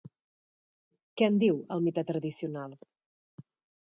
Què en diu el mite tradicional?